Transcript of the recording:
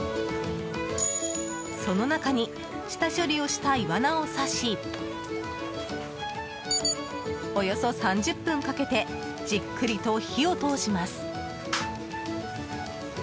その中に下処理をしたイワナを挿しおよそ３０分かけてじっくりと火を通します。